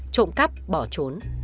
trộm cắp bỏ trốn